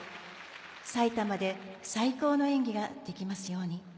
さいたまで最高の演技ができますように。